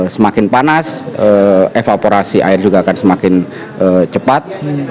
semakin panas evaporasi air juga akan semakin cepat